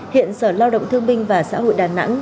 hiện sở lao động thương binh và xã hội đà nẵng